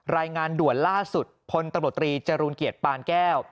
รายงานด่วนล่าสุดพลตำรวจตรีจรูลเกียรติปานแก้ว